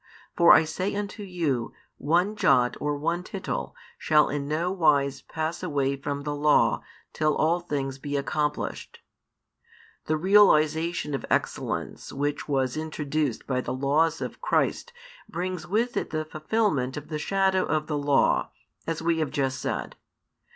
For I say unto you, one jot or one tittle shall in no wise pass away from the Law till all things be accomplished. The realisation of excellence which was introduced by the laws of Christ brings with it the fulfilment of the shadow of the Law, as we have just said.